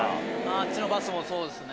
あっちのバスもそうですね。